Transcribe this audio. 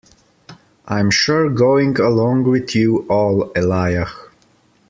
I'm sure going along with you all, Elijah.